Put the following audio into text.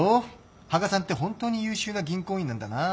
羽賀さんって本当に優秀な銀行員なんだな。